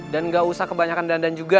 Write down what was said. dan gak usah kebanyakan dandan juga